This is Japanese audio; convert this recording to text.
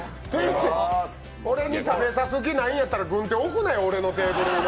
俺に食べさす気ないんやったら軍手置くなや、俺のテーブルに。